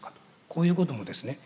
こういうこともですね